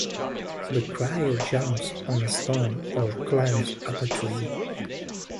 The crier jumps on a stone or climbs up a tree.